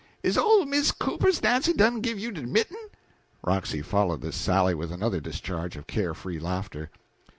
Is ole Miss Cooper's Nancy done give you de mitten?" Roxy followed this sally with another discharge of care free laughter.